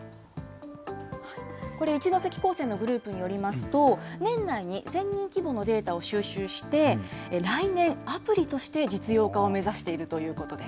これ、一関高専のグループによりますと、年内に１０００人規模のデータを収集して、来年、アプリとして実用化を目指しているということです。